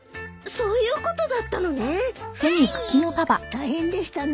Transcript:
大変でしたね。